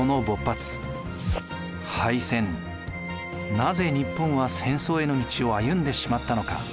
なぜ日本は戦争への道を歩んでしまったのか？